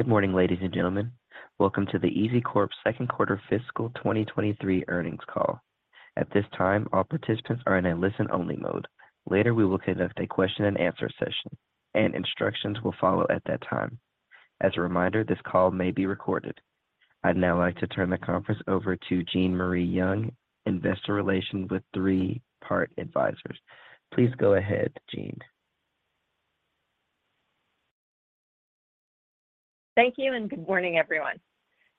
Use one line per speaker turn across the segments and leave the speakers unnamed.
Good morning, ladies and gentlemen. Welcome to the EZCORP second quarter fiscal 2023 earnings call. At this time, all participants are in a listen-only mode. Later, we will conduct a question and answer session, and instructions will follow at that time. As a reminder, this call may be recorded. I'd now like to turn the conference over to Jean Marie Young, Investor Relations with Three Part Advisors. Please go ahead, Jean.
Thank you, and good morning, everyone.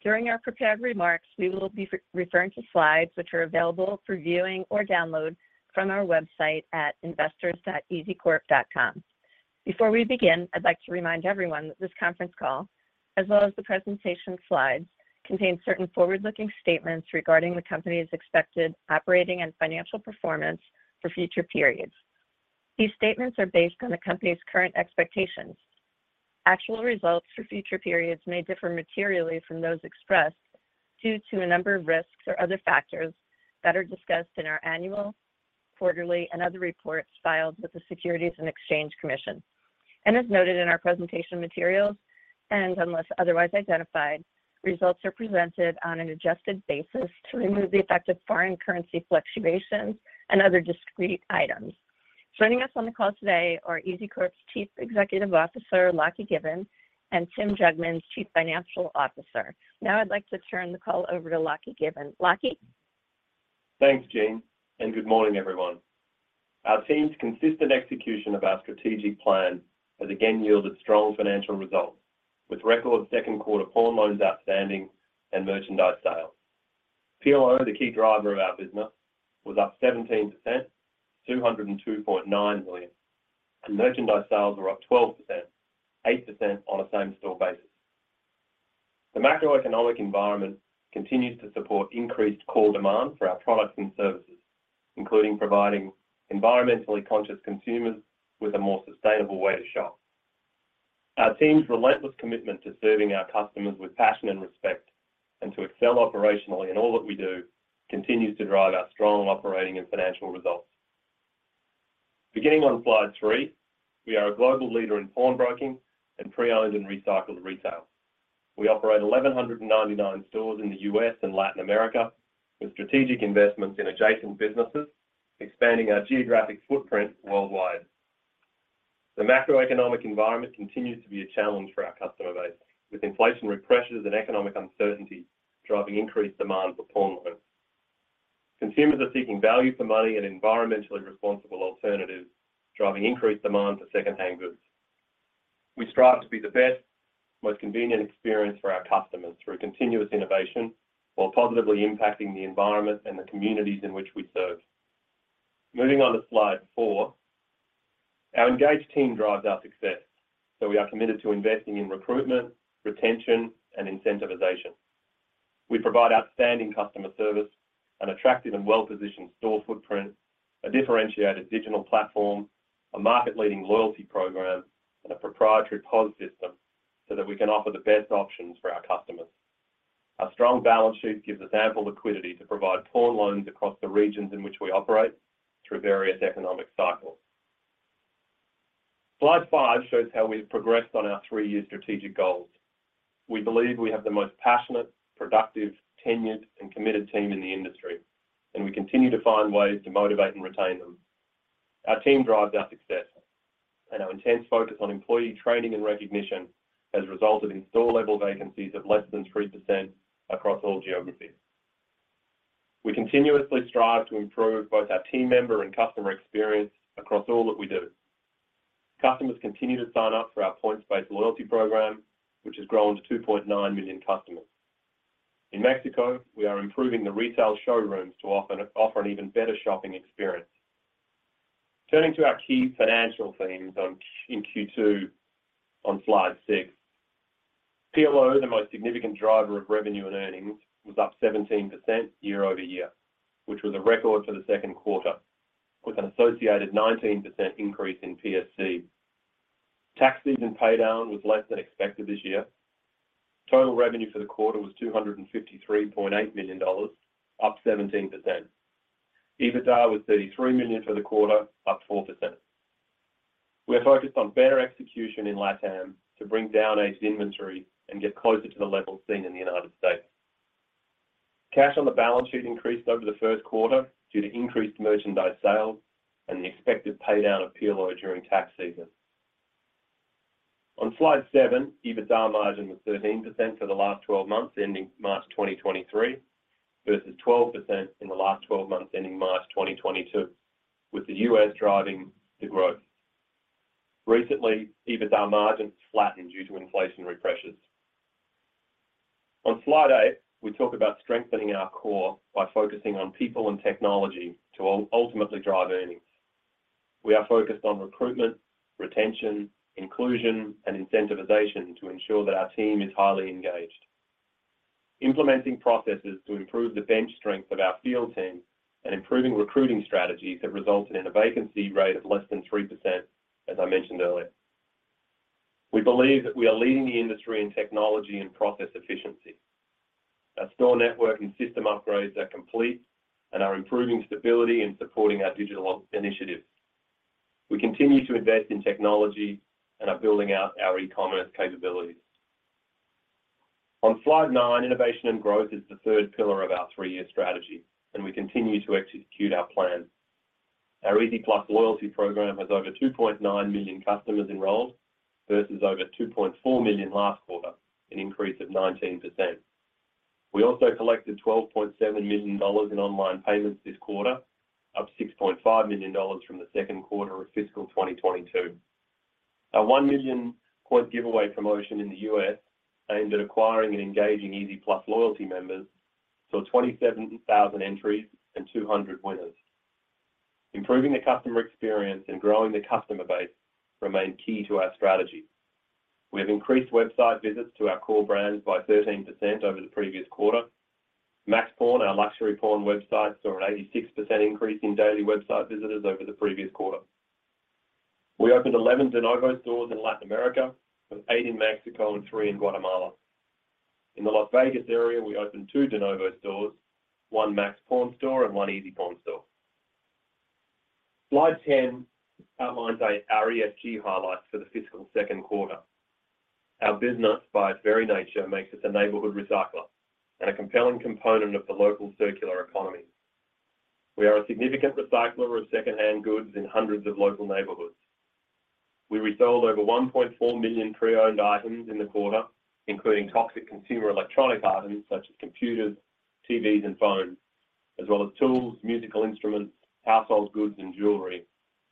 During our prepared remarks, we will be re-referring to slides which are available for viewing or download from our website at investors.ezcorp.com. Before we begin, I'd like to remind everyone that this conference call, as well as the presentation slides, contains certain forward-looking statements regarding the company's expected operating and financial performance for future periods. These statements are based on the company's current expectations. Actual results for future periods may differ materially from those expressed due to a number of risks or other factors that are discussed in our annual, quarterly, and other reports filed with the Securities and Exchange Commission. As noted in our presentation materials, and unless otherwise identified, results are presented on an adjusted basis to remove the effect of foreign currency fluctuations and other discrete items. Joining us on the call today are EZCORP's Chief Executive Officer, Lachie Given, and Tim Jugmans, Chief Financial Officer. I'd like to turn the call over to Lachie Given. Lachie?
Thanks, Jean. Good morning, everyone. Our team's consistent execution of our strategic plan has again yielded strong financial results with record second quarter pawn loans outstanding and merchandise sales. PLO, the key driver of our business, was up 17%, $202.9 million, and merchandise sales were up 12%, 8% on a same store basis. The macroeconomic environment continues to support increased call demand for our products and services, including providing environmentally conscious consumers with a more sustainable way to shop. Our team's relentless commitment to serving our customers with passion and respect and to excel operationally in all that we do continues to drive our strong operating and financial results. Beginning on slide 3, we are a global leader in pawnbroking and pre-owned and recycled retail. We operate 1,199 stores in the U.S. and Latin America with strategic investments in adjacent businesses, expanding our geographic footprint worldwide. The macroeconomic environment continues to be a challenge for our customer base, with inflationary pressures and economic uncertainty driving increased demand for pawn loans. Consumers are seeking value for money and environmentally responsible alternatives, driving increased demand for second-hand goods. We strive to be the best, most convenient experience for our customers through continuous innovation, while positively impacting the environment and the communities in which we serve. Moving on to slide 4. Our engaged team drives our success, so we are committed to investing in recruitment, retention, and incentivization. We provide outstanding customer service, an attractive and well-positioned store footprint, a differentiated digital platform, a market-leading loyalty program, and a proprietary POS system, so that we can offer the best options for our customers. Our strong balance sheet gives us ample liquidity to provide pawn loans across the regions in which we operate through various economic cycles. Slide 5 shows how we've progressed on our three-year strategic goals. We believe we have the most passionate, productive, tenured, and committed team in the industry. We continue to find ways to motivate and retain them. Our team drives our success. Our intense focus on employee training and recognition has resulted in store-level vacancies of less than 3% across all geographies. We continuously strive to improve both our team member and customer experience across all that we do. Customers continue to sign up for our points-based loyalty program, which has grown to 2.9 million customers. In Mexico, we are improving the retail showrooms to offer an even better shopping experience. Turning to our key financial themes in Q2 on slide 6. PLO, the most significant driver of revenue and earnings, was up 17% year-over-year, which was a record for the second quarter, with an associated 19% increase in PSC. Tax season paydown was less than expected this year. Total revenue for the quarter was $253.8 million, up 17%. EBITDA was $33 million for the quarter, up 4%. We are focused on better execution in LATAM to bring down aged inventory and get closer to the levels seen in the United States. Cash on the balance sheet increased over the first quarter due to increased merchandise sales and the expected paydown of PLO during tax season. On slide 7, EBITDA margin was 13% for the last 12 months ending March 2023 versus 12% in the last 12 months ending March 2022, with the U.S. driving the growth. Recently, EBITDA margins flattened due to inflationary pressures. On slide 8, we talk about strengthening our core by focusing on people and technology to ultimately drive earnings. We are focused on recruitment, retention, inclusion, and incentivization to ensure that our team is highly engaged. Implementing processes to improve the bench strength of our field team and improving recruiting strategies have resulted in a vacancy rate of less than 3%, as I mentioned earlier. We believe that we are leading the industry in technology and process efficiency. Our store network and system upgrades are complete and are improving stability and supporting our digital initiative. We continue to invest in technology and are building out our e-commerce capabilities. On slide nine, innovation and growth is the third pillar of our 3-year strategy, and we continue to execute our plan. Our EZ+ loyalty program has over 2.9 million customers enrolled versus over 2.4 million last quarter, an increase of 19%. We also collected $12.7 million in online payments this quarter, up $6.5 million from the second quarter of fiscal 2022. Our 1 million Quid Giveaway promotion in the U.S. aimed at acquiring and engaging EZ+ loyalty members saw 27,000 entries and 200 winners. Improving the customer experience and growing the customer base remain key to our strategy. We have increased website visits to our core brands by 13% over the previous quarter. Max Pawn, our luxury pawn website, saw an 86% increase in daily website visitors over the previous quarter. We opened 11 de novo stores in Latin America, with 8 in Mexico and 3 in Guatemala. In the Las Vegas area, we opened 2 de novo stores, 1 Max Pawn store and 1 EZPAWN store. Slide 10 outlines our ESG highlights for the fiscal second quarter. Our business, by its very nature, makes us a neighborhood recycler and a compelling component of the local circular economy. We are a significant recycler of second-hand goods in hundreds of local neighborhoods. We resold over 1.4 million pre-owned items in the quarter, including toxic consumer electronic items such as computers, TVs, and phones, as well as tools, musical instruments, household goods, and jewelry,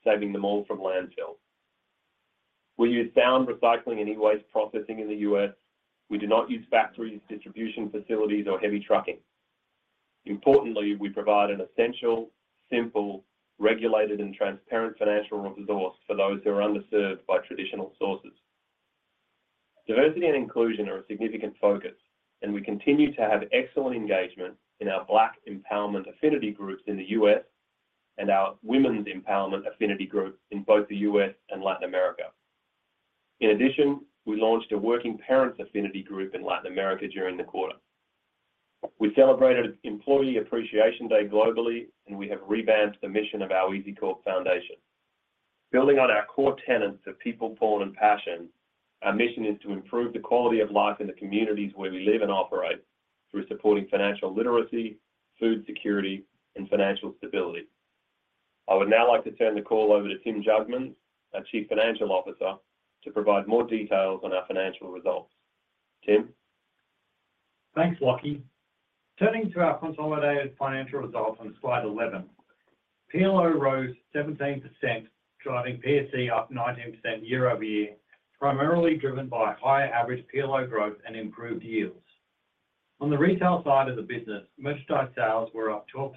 saving them all from landfill. We use sound recycling and e-waste processing in the U.S. We do not use factories, distribution facilities, or heavy trucking. Importantly, we provide an essential, simple, regulated, and transparent financial resource for those who are underserved by traditional sources. Diversity and inclusion are a significant focus, and we continue to have excellent engagement in our Black empowerment affinity groups in the U.S. and our women's empowerment affinity group in both the U.S. and Latin America. In addition, we launched a working parents affinity group in Latin America during the quarter. We celebrated Employee Appreciation Day globally, and we have revamped the mission of our EZCORP Foundation. Building on our core tenets of people, pawn, and passion, our mission is to improve the quality of life in the communities where we live and operate through supporting financial literacy, food security, and financial stability. I would now like to turn the call over to Tim Jugmans, our Chief Financial Officer, to provide more details on our financial results. Tim.
Thanks, Lachie. Turning to our consolidated financial results on slide 11, PLO rose 17%, driving PSC up 19% year-over-year, primarily driven by higher average PLO growth and improved yields. On the retail side of the business, merchandise sales were up 12%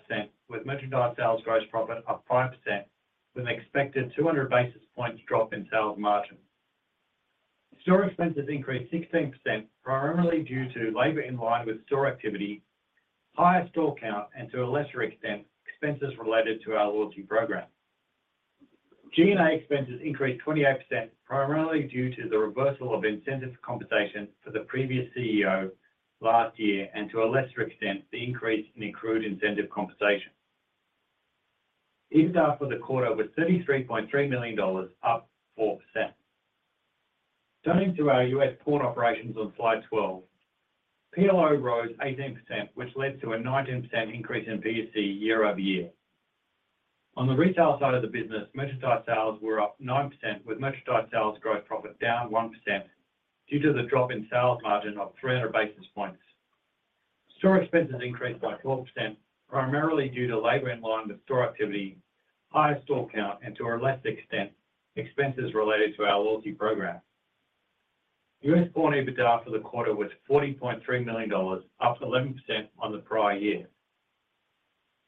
with merchandise sales gross profit up 5% with an expected 200 basis points drop in sales margin. Store expenses increased 16%, primarily due to labor in line with store activity, higher store count, and to a lesser extent, expenses related to our loyalty program. G&A expenses increased 28%, primarily due to the reversal of incentive compensation for the previous CEO last year, and to a lesser extent, the increase in accrued incentive compensation. EBITDA for the quarter was $33.3 million, up 4%. Turning to our US pawn operations on slide 12, PLO rose 18%, which led to a 19% increase in PSC year-over-year. On the retail side of the business, merchandise sales were up 9% with merchandise sales growth profit down 1% due to the drop in sales margin of 300 basis points. Store expenses increased by 12%, primarily due to labor in line with store activity, higher store count, and to a lesser extent, expenses related to our loyalty program. US Pawn EBITDA for the quarter was $40.3 million, up 11% on the prior year.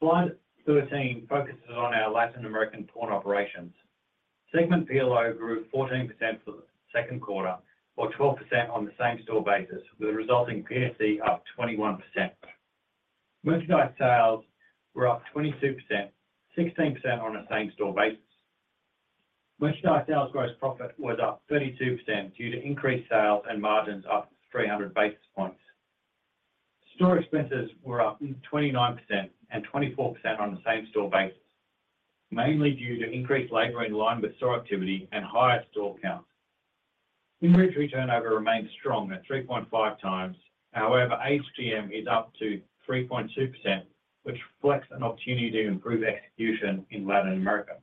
Slide 13 focuses on our Latin American pawn operations. Segment PLO grew 14% for the second quarter or 12% on the same-store basis, with a resulting PSC up 21%. Merchandise sales were up 22%, 16% on a same-store basis. Merchandise sales gross profit was up 32% due to increased sales and margins up 300 basis points. Store expenses were up 29% and 24% on the same-store basis, mainly due to increased labor in line with store activity and higher store count. Inventory turnover remains strong at 3.5 times. However, AGM is up to 3.2%, which reflects an opportunity to improve execution in Latin America.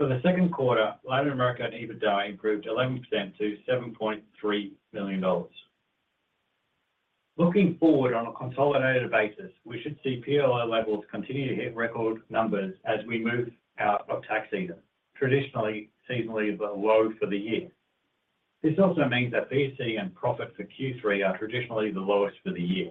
For the second quarter, Latin America EBITDA improved 11% to $7.3 million. Looking forward on a consolidated basis, we should see PLO levels continue to hit record numbers as we move out of tax season, traditionally seasonally low for the year. This also means that PSC and profit for Q3 are traditionally the lowest for the year.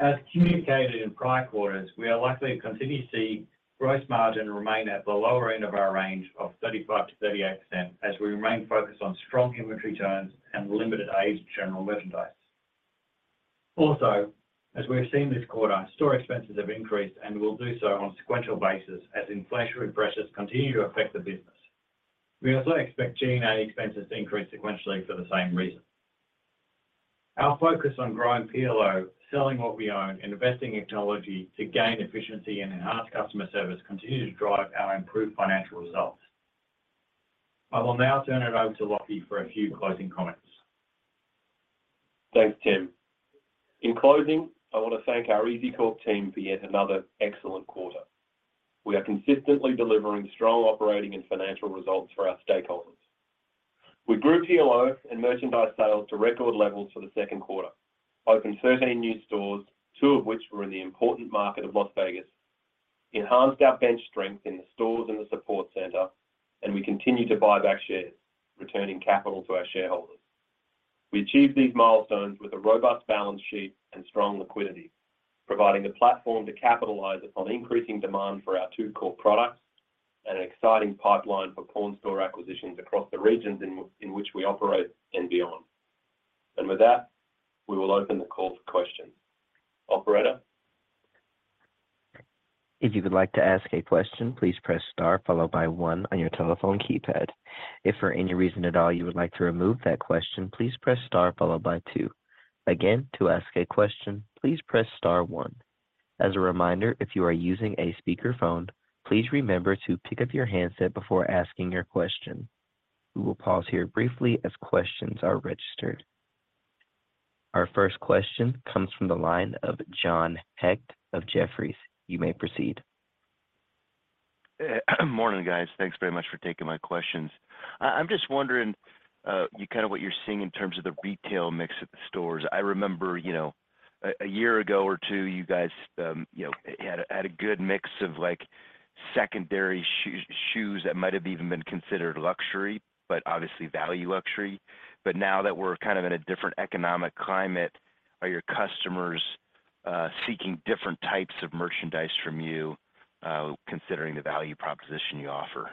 As communicated in prior quarters, we are likely to continue to see gross margin remain at the lower end of our range of 35%-38% as we remain focused on strong inventory turns and limited aged general merchandise. As we have seen this quarter, store expenses have increased and will do so on a sequential basis as inflationary pressures continue to affect the business. We also expect G&A expenses to increase sequentially for the same reason. Our focus on growing PLO, selling what we own, and investing in technology to gain efficiency and enhance customer service continue to drive our improved financial results. I will now turn it over to Lachie for a few closing comments.
Thanks, Tim. In closing, I want to thank our EZCORP team for yet another excellent quarter. We are consistently delivering strong operating and financial results for our stakeholders. We grew PLO and merchandise sales to record levels for the second quarter, opened 13 new stores, two of which were in the important market of Las Vegas, enhanced our bench strength in the stores and the support center, and we continue to buy back shares, returning capital to our shareholders. We achieved these milestones with a robust balance sheet and strong liquidity, providing the platform to capitalize upon increasing demand for our two core products and an exciting pipeline for pawn store acquisitions across the regions in which we operate and beyond. With that, we will open the call for questions. Operator?
If you would like to ask a question, please press star followed by one on your telephone keypad. If for any reason at all you would like to remove that question, please press star followed by two. Again, to ask a question, please press star one. As a reminder, if you are using a speakerphone, please remember to pick up your handset before asking your question. We will pause here briefly as questions are registered. Our first question comes from the line of John Hecht of Jefferies. You may proceed.
Morning, guys. Thanks very much for taking my questions. I'm just wondering, you know, kind of what you're seeing in terms of the retail mix at the stores. I remember, you know, a year ago or two, you guys, you know, had a good mix of like secondary shoes that might have even been considered luxury, but obviously value luxury. Now that we're kind of in a different economic climate, are your customers seeking different types of merchandise from you, considering the value proposition you offer?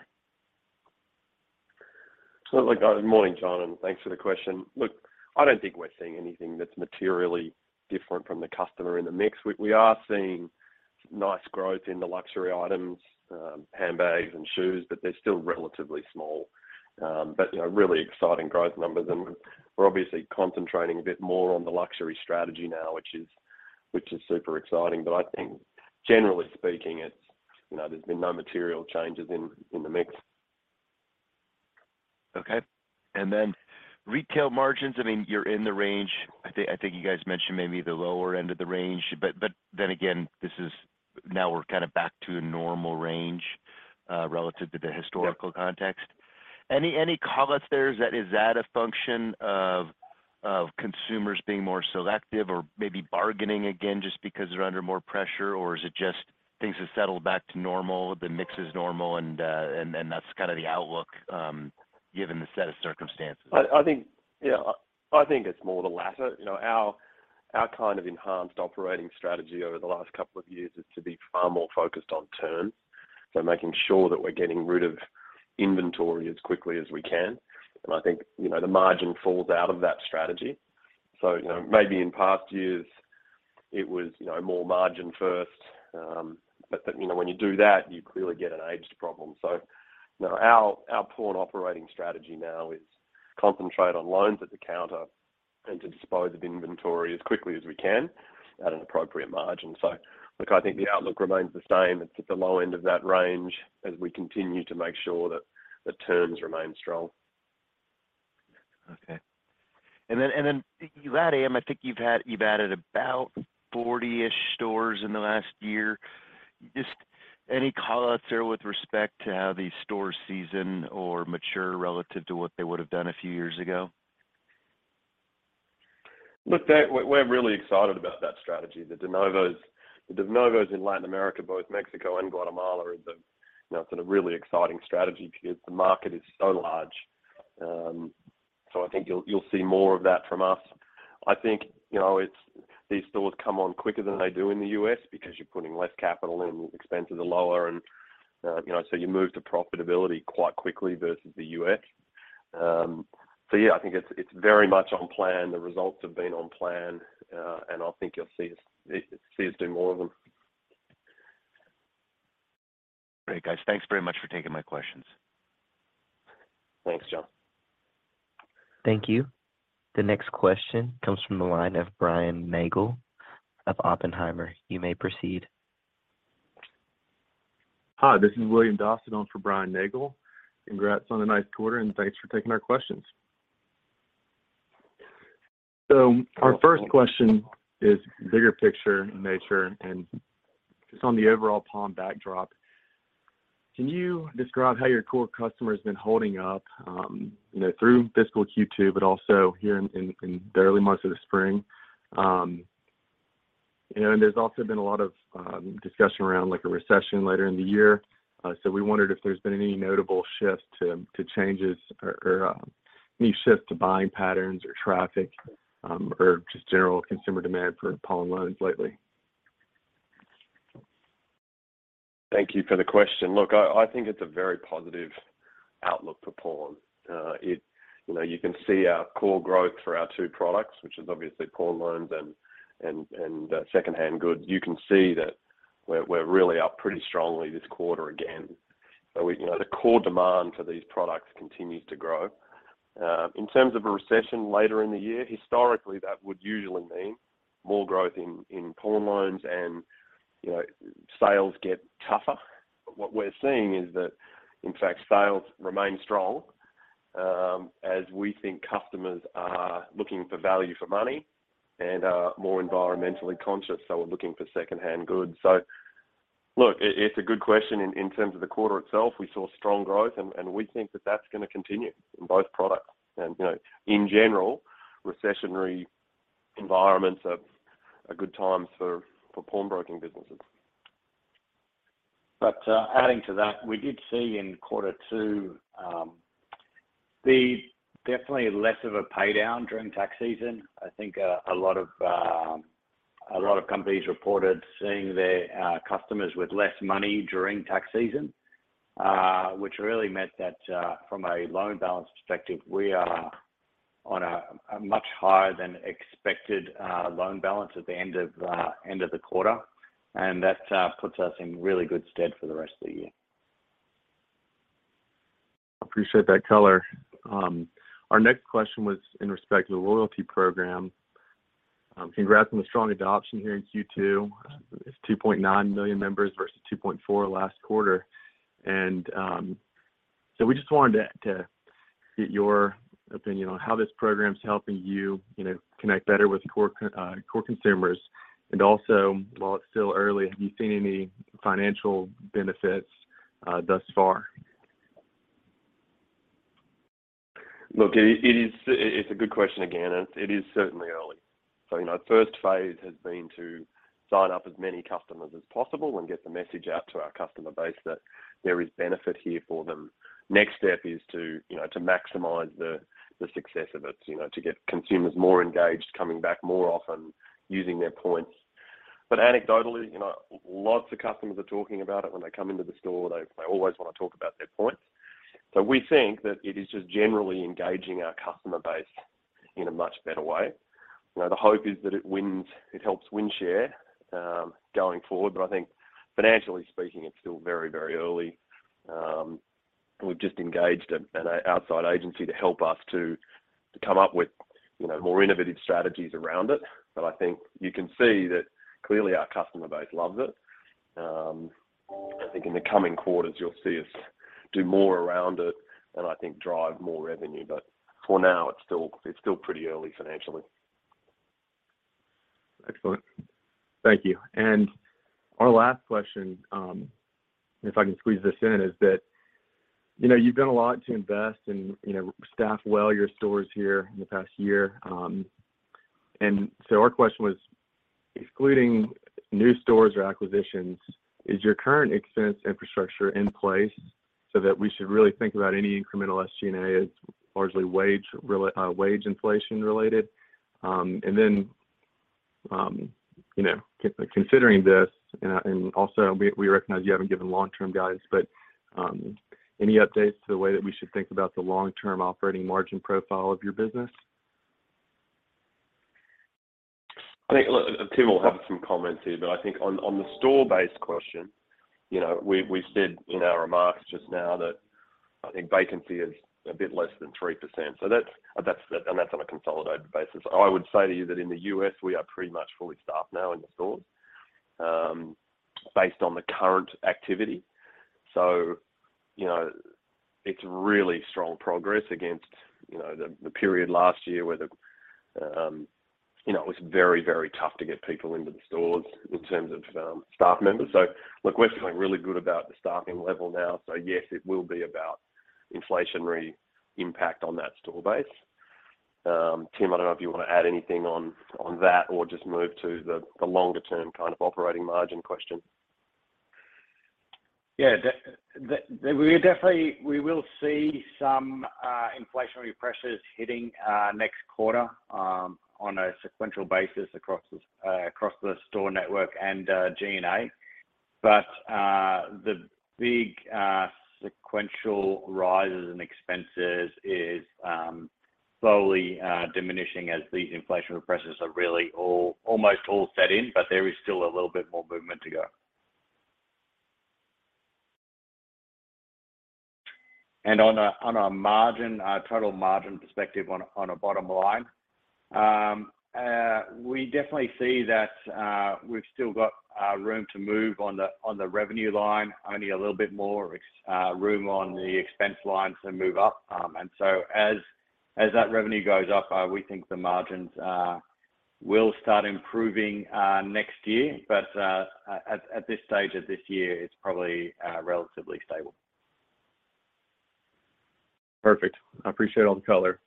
Look, good morning, John, thanks for the question. Look, I don't think we're seeing anything that's materially different from the customer in the mix. We are seeing nice growth in the luxury items, handbags and shoes, they're still relatively small. You know, really exciting growth numbers, we're obviously concentrating a bit more on the luxury strategy now, which is super exciting. I think generally speaking, it's, you know, there's been no material changes in the mix.
Okay. Then retail margins, I mean, you're in the range. I think you guys mentioned maybe the lower end of the range, but then again, this is now we're kind of back to a normal range relative to the historical context.
Yeah.
Any call-outs there? Is that a function of consumers being more selective or maybe bargaining again just because they're under more pressure? Or is it just things have settled back to normal, the mix is normal, and that's kind of the outlook given the set of circumstances?
I think, yeah, I think it's more the latter. You know, our kind of enhanced operating strategy over the last couple of years is to be far more focused on terms. Making sure that we're getting rid of inventory as quickly as we can. I think, you know, the margin falls out of that strategy. You know, maybe in past years it was, you know, more margin first. You know, when you do that, you clearly get an aged problem. You know, our pawn operating strategy now is concentrate on loans at the counter and to dispose of inventory as quickly as we can at an appropriate margin. Look, I think the outlook remains the same. It's at the low end of that range as we continue to make sure that the terms remain strong.
Okay. Then you add AM, I think you've added about 40-ish stores in the last year. Just any call-outs there with respect to how these stores season or mature relative to what they would've done a few years ago?
Look, we're really excited about that strategy. The de novo in Latin America, both Mexico and Guatemala, is a, you know, it's been a really exciting strategy because the market is so large. I think you'll see more of that from us. I think, you know, these stores come on quicker than they do in the US because you're putting less capital in, expenses are lower and, you know, you move to profitability quite quickly versus the US. Yeah, I think it's very much on plan. The results have been on plan. I think you'll see us do more of them.
Great, guys. Thanks very much for taking my questions.
Thanks, John.
Thank you. The next question comes from the line of Brian Nagel of Oppenheimer. You may proceed.
Hi, this is William Dossett on for Brian Nagel. Congrats on a nice quarter, and thanks for taking our questions. Our first question is bigger picture in nature and just on the overall pawn backdrop. Can you describe how your core customer's been holding up, you know, through fiscal Q2 but also here in the early months of the spring? You know, and there's also been a lot of discussion around like a recession later in the year. We wondered if there's been any notable shift to changes or any shift to buying patterns or traffic or just general consumer demand for pawn loans lately.
Thank you for the question. Look, I think it's a very positive outlook for pawn. You know, you can see our core growth for our two products, which is obviously pawn loans and secondhand goods. You can see that we're really up pretty strongly this quarter again. You know, the core demand for these products continues to grow. In terms of a recession later in the year, historically, that would usually mean more growth in pawn loans and, you know, sales get tougher. What we're seeing is that, in fact, sales remain strong, as we think customers are looking for value for money and are more environmentally conscious, so are looking for second-hand goods. Look, it's a good question in terms of the quarter itself. We saw strong growth and we think that that's going to continue in both products. You know, in general, recessionary environments are a good time for pawnbroking businesses.
Adding to that, we did see in quarter two, the definitely less of a pay down during tax season. I think, a lot of, a lot of companies reported seeing their customers with less money during tax season, which really meant that, from a loan balance perspective, we are on a much higher than expected loan balance at the end of the end of the quarter. That, puts us in really good stead for the rest of the year.
Appreciate that color. Our next question was in respect to the loyalty program. Congrats on the strong adoption here in Q2. It's 2.9 million members versus 2.4 last quarter. We just wanted to get your opinion on how this program is helping you know, connect better with core consumers. While it's still early, have you seen any financial benefits thus far?
Look, it is It's a good question again, and it is certainly early. You know, first phase has been to sign up as many customers as possible and get the message out to our customer base that there is benefit here for them. Next step is to, you know, to maximize the success of it, you know, to get consumers more engaged, coming back more often using their points. Anecdotally, you know, lots of customers are talking about it when they come into the store. They always want to talk about their points. We think that it is just generally engaging our customer base in a much better way. You know, the hope is that it helps win share going forward. I think financially speaking, it's still very, very early. We've just engaged an outside agency to help us to come up with, you know, more innovative strategies around it. I think you can see that clearly our customer base loves it. I think in the coming quarters, you'll see us do more around it and I think drive more revenue. For now, it's still pretty early financially.
Excellent. Thank you. Our last question, if I can squeeze this in, is that, you know, you've done a lot to invest and, you know, staff well your stores here in the past year. Our question was, excluding new stores or acquisitions, is your current expense infrastructure in place so that we should really think about any incremental SG&A as largely wage inflation-related? You know, considering this, also we recognize you haven't given long-term guidance, but any updates to the way that we should think about the long-term operating margin profile of your business?
I think, look, Tim will have some comments here, but I think on the store-based question, you know, we said in our remarks just now that I think vacancy is a bit less than 3%. That's and that's on a consolidated basis. I would say to you that in the U.S., we are pretty much fully staffed now in the stores, based on the current activity. You know, it's really strong progress against, you know, the period last year where the, you know, it was very, very tough to get people into the stores in terms of staff members. Look, we're feeling really good about the staffing level now. Yes, it will be about inflationary impact on that store base. Tim, I don't know if you want to add anything on that or just move to the longer-term kind of operating margin question?
Yeah. We will see some inflationary pressures hitting next quarter on a sequential basis across the store network and G&A. The big sequential rises in expenses is slowly diminishing as these inflationary pressures are really almost all set in, but there is still a little bit more movement to go. On a total margin perspective on a bottom line, we definitely see that we've still got room to move on the revenue line, only a little bit more room on the expense line to move up. As that revenue goes up, we think the margins will start improving next year. At this stage of this year, it's probably, relatively stable.
Perfect. I appreciate all the color.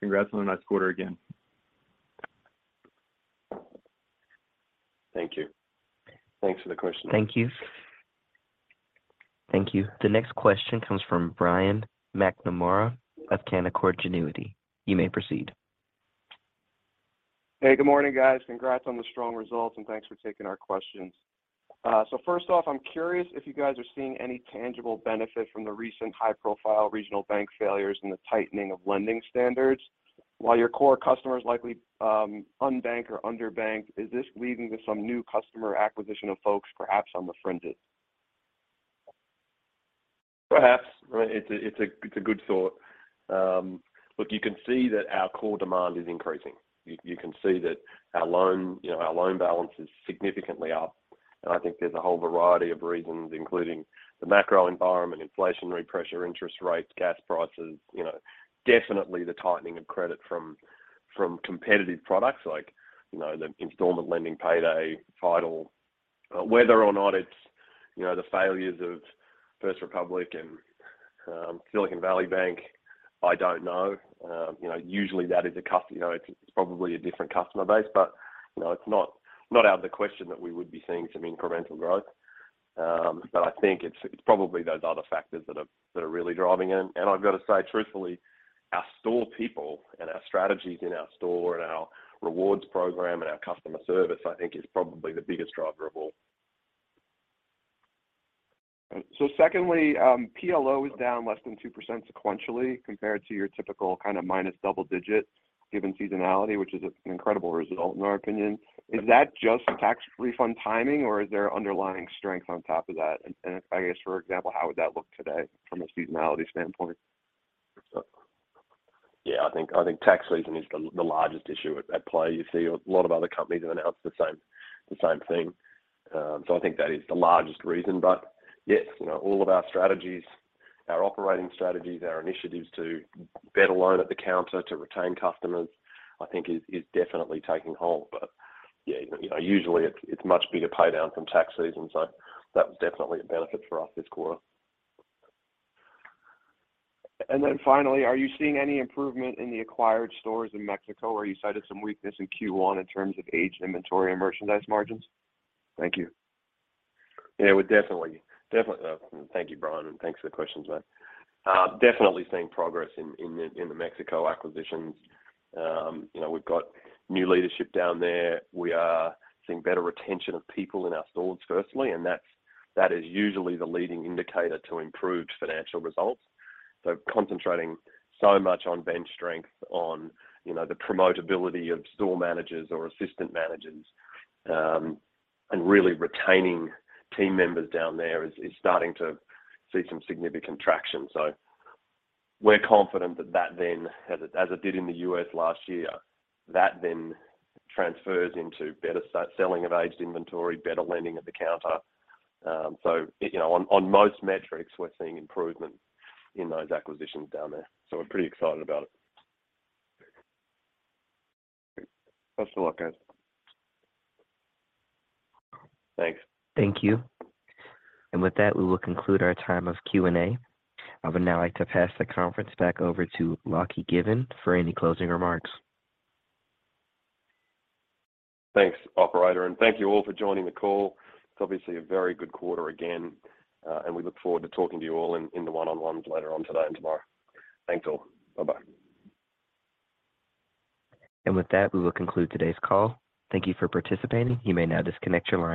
Congrats on a nice quarter again.
Thank you. Thanks for the question.
Thank you. Thank you. The next question comes from Brian McNamara of Canaccord Genuity. You may proceed.
Hey, good morning, guys. Congrats on the strong results, and thanks for taking our questions. First off, I'm curious if you guys are seeing any tangible benefit from the recent high-profile regional bank failures and the tightening of lending standards. While your core customers likely unbank or underbanked, is this leading to some new customer acquisition of folks perhaps on the fringes?
Perhaps. I mean, it's a, it's a good thought. Look, you can see that our core demand is increasing. You can see that our loan, you know, our loan balance is significantly up. I think there's a whole variety of reasons, including the macro environment, inflationary pressure, interest rates, gas prices, you know, definitely the tightening of credit from competitive products like, you know, the installment lending payday title. Whether or not it's, you know, the failures of First Republic and Silicon Valley Bank, I don't know. You know, usually that is a, you know, it's probably a different customer base, but, you know, it's not out of the question that we would be seeing some incremental growth. I think it's probably those other factors that are, that are really driving it. I've got to say truthfully, our store people and our strategies in our store and our rewards program and our customer service, I think is probably the biggest driver of all.
Secondly, PLO is down less than 2% sequentially compared to your typical kind of minus double digit given seasonality, which is an incredible result in our opinion. Is that just tax refund timing, or is there underlying strength on top of that? I guess, for example, how would that look today from a seasonality standpoint?
Yeah, I think tax season is the largest issue at play. You see a lot of other companies have announced the same thing. I think that is the largest reason. Yes, you know, all of our strategies, our operating strategies, our initiatives to bet alone at the counter to retain customers, I think is definitely taking hold. Yeah, you know, usually it's much bigger pay down from tax season, so that was definitely a benefit for us this quarter.
Finally, are you seeing any improvement in the acquired stores in Mexico where you cited some weakness in Q1 in terms of aged inventory and merchandise margins? Thank you.
Yeah, we're definitely. Thank you, Brian, and thanks for the questions, mate. Definitely seeing progress in the Mexico acquisitions. You know, we've got new leadership down there. We are seeing better retention of people in our stores, firstly, and that is usually the leading indicator to improved financial results. Concentrating so much on bench strength, on, you know, the promotability of store managers or assistant managers, and really retaining team members down there is starting to see some significant traction. We're confident that that then, as it did in the U.S. last year, that then transfers into better selling of aged inventory, better lending at the counter. You know, on most metrics, we're seeing improvement in those acquisitions down there. We're pretty excited about it.
Best of luck, guys.
Thanks.
Thank you. With that, we will conclude our time of Q&A. I would now like to pass the conference back over to Lachie Given for any closing remarks.
Thank you all for joining the call. It's obviously a very good quarter again, and we look forward to talking to you all in the one-on-ones later on today and tomorrow. Thanks, all. Bye-bye.
With that, we will conclude today's call. Thank you for participating. You may now disconnect your line.